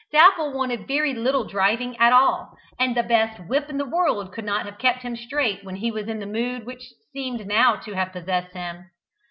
Dapple wanted very little driving at all, and the best "whip" in the world could not have kept him straight when he was in the mood which seemed now to have possessed him.